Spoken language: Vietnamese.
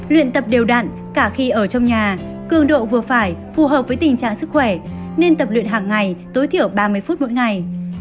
luyện tập đều đạn cả khi ở trong nhà cương độ vừa phải phù hợp với tình trạng sức khỏe nên tập luyện hàng ngày tối thiểu ba mươi phút mỗi ngày